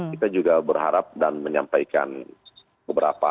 kita juga berharap dan menyampaikan beberapa